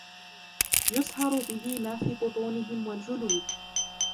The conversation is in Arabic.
يُصْهَرُ بِهِ مَا فِي بُطُونِهِمْ وَالْجُلُودُ